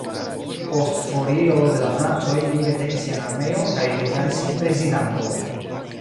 Post foriro de la francoj li retenis sian armeon kaj deklaris sin prezidanto.